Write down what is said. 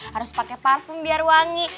harus pakai parfum biar wangi